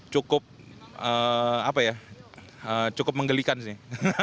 cukup apa ya cukup menggelikan sih